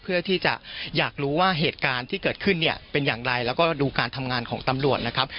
เพื่อที่จะอยากรู้ว่าเหตุการณ์ที่เกิดขึ้นเนี่ยเป็นอย่างไรแล้วก็ดูการทำงานของตำรวจนะครับ